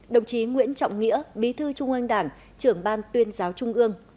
đồng chí nguyễn trọng nghĩa bí thư trung ương đảng trưởng ban tuyên giáo trung ương